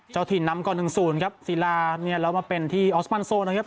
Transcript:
เจ้าถิ่นนำก่อนหนึ่งศูนย์ครับศิลาเนี่ยแล้วมาเป็นที่ออสมันโซนะครับ